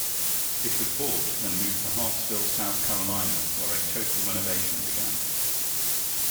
It was bought, then moved to Hartsville, South Carolina where a total renovation began.